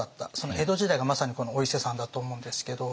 江戸時代がまさにこのお伊勢さんだと思うんですけど。